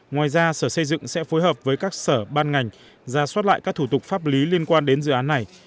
ngoài ra sở xây dựng sẽ phối hợp với các sở ban ngành ra soát lại các thủ tục pháp lý liên quan đến dự án này